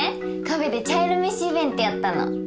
カフェで茶色めしイベントやったの。